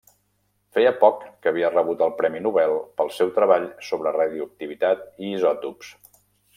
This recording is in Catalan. Feia poc que havia rebut el premi Nobel pel seu treball sobre radioactivitat i isòtops.